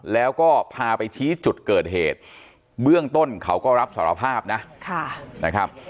แล้วก็พาไปชี้จุดเกิดเหตุเบื้องต้นเขาก็รับสารภาพนะนะครับ